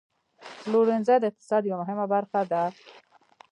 پلورنځی د اقتصاد یوه مهمه برخه ده.